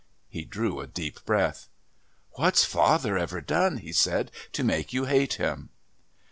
He drew a deep breath. "What's father ever done," he said, "to make you hate him?"